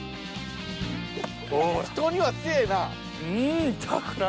人にはつえーな！